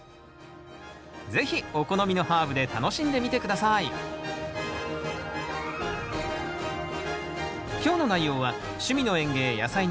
是非お好みのハーブで楽しんでみて下さい今日の内容は「趣味の園芸やさいの時間」